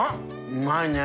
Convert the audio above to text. うまいね。